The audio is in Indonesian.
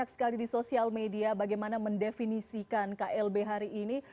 banyak sekali di sosial media bagaimana mendefinisikan klb hari ini